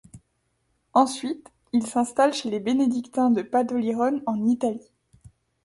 Ensuite, il s'installe chez les bénédictins de Padolirone en Italie.